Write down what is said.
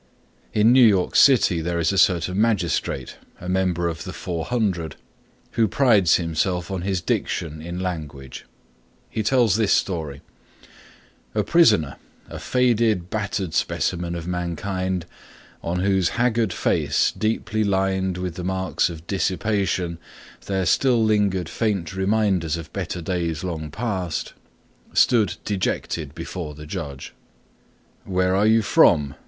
In New York City there is a certain magistrate, a member of "the 400," who prides himself on his diction in language. He tells this story: A prisoner, a faded, battered specimen of mankind, on whose haggard face, deeply lined with the marks of dissipation, there still lingered faint reminders of better days long past, stood dejected before the judge. "Where are you from?"